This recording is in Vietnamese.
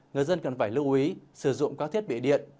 người dân cần phải lưu ý sử dụng các thiết bị điện